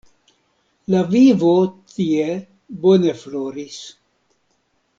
La vivo tie bone floris.